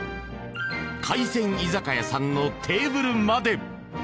海鮮居酒屋さんのテーブルまで。